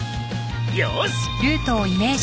よし！